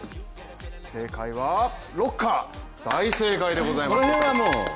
正解はロッカー大正解でございます。